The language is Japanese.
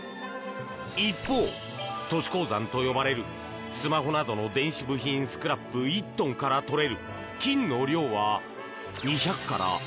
一方、都市鉱山と呼ばれるスマホなどの電子部品スクラップ１トンから取れる金の量は２００３００ｇ。